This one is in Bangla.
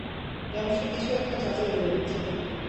যেন সে কিছু একটা যাচাই করে নিচ্ছে।